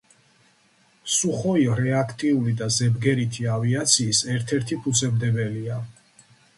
სუხოი რეაქტიული და ზებგერითი ავიაციის ერთ-ერთი ფუძემდებელია.